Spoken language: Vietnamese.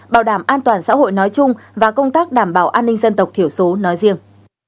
bảo đảm an toàn xã hội nói chung và công tác đảm bảo an ninh dân tộc thiểu số nói riêng